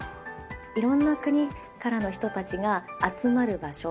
いろんな国からの人たちが集まる場所